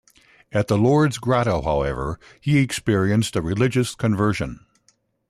At the Lourdes grotto however, he experienced a religious conversion.